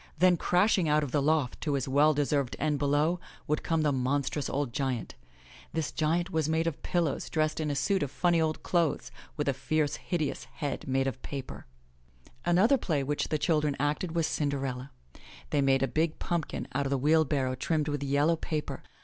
Then, crashing out of the loft to his well deserved end below, would come the monstrous old giant. This giant was made of pillows dressed in a suit of funny old clothes, with a fierce, hideous head made of paper. 13 M Y BOOK HOUSE Another play which the children acted was Cinderella. They made a big pumpkin out of the wheelbarrow trimmed with yellow paper.